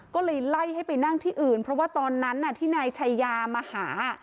ก็เลยไล่ให้ไปนั่งที่อื่นเพราะว่าตอนนั้นที่นายชายามาหา